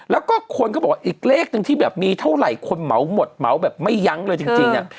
แล้วก็คนก็บอกอีกเลขหนึ่งที่แบบมีเท่าไหร่คนเหมาหมดเหมาแบบไม่ยั้งเลยจริง